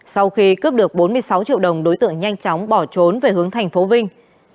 sau khi cướp được bốn mươi sáu triệu đồng đối tượng nhanh chóng bỏ trốn về hướng tp vinh